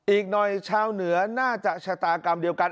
อีกหน่อยชาวเหนือน่าจะชะตากรรมเดียวกัน